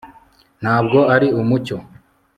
ntabwo ari umucyo